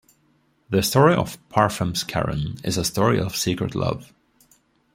The story of Parfums Caron is a story of secret love.